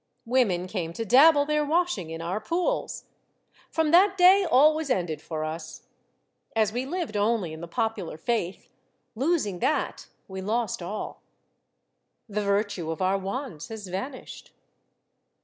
Women came to dabble their washing in our pools. From that day all was ended for us. As we lived only in the popular faith, losing that we lost all. The virtue of our wands has vanished.